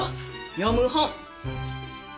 読む本。